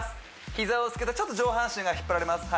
膝をつけるとちょっと上半身が引っ張られます